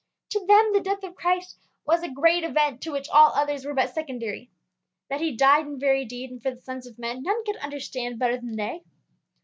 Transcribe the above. To them the death of Christ was a great event to which all others were but secondary. That he died in very deed, and for the sons of men, none could understand better than they.